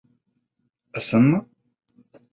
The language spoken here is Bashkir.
Ысынмы?..